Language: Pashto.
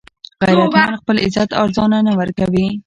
غیرتمند خپل عزت ارزانه نه ورکوي